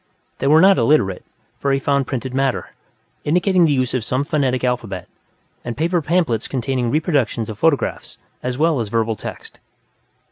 They were not illiterate; he found printed matter, indicating the use of some phonetic alphabet, and paper pamphlets containing printed reproductions of photographs as well as verbal text.